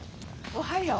おはよう。